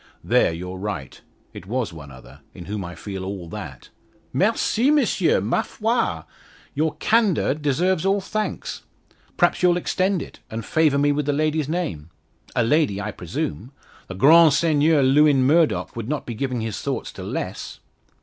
"There, you're right, it was one other, in whom I feel all that." "Merci, Monsieur! Ma foi! your candour deserves all thanks. Perhaps you'll extend it, and favour me with the lady's name? A lady, I presume. The grand Seigneur Lewin Murdock would not be giving his thoughts to less."